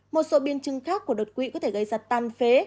một số biên chứng khác của đột quỵ có thể gây ra tan phế